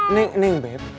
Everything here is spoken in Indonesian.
neng neng beb